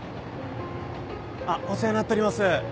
あっお世話になっております。